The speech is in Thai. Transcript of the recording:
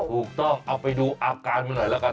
ถูกต้องเอาไปดูอาการมันหน่อยแล้วกัน